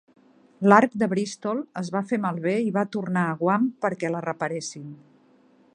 L'arc de "Bristol" es va fer malbé i va tornar a Guam perquè la reparessin.